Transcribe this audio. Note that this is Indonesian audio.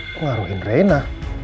aku ngaruhin rena